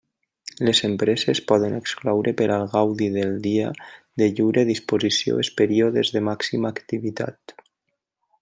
Les empreses poden excloure per al gaudi del dia de lliure disposició els períodes de màxima activitat.